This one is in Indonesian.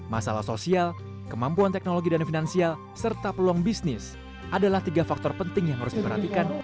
masalah sosial kemampuan teknologi dan finansial serta peluang bisnis adalah tiga faktor penting yang harus diperhatikan